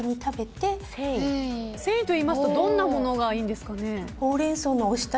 繊維といいますとどんなものがいいんですかね？